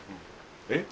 えっ？